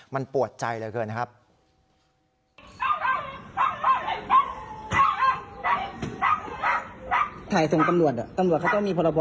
มันปวดใจเลยเผลอนะครับ